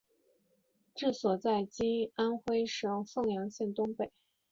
治所在今安徽省凤阳县东北。